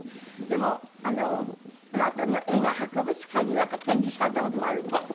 でもあなたの絵が博物館に展示された事もあるんですって？